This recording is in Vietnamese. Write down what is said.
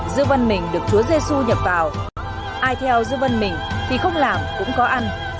dương văn mình được chúa giê xu nhập vào ai theo dương văn mình thì không làm cũng có ăn